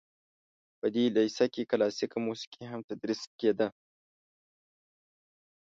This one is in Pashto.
په دې لیسه کې کلاسیکه موسیقي هم تدریس کیده.